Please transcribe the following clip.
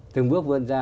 thường bước vươn ra